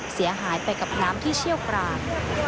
เสียหายไปกับน้ำที่เชี่ยวกราก